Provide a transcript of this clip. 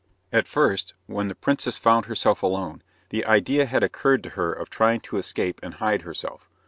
At first, when the princess had found herself alone, the idea had occurred to her of trying to escape and hide herself.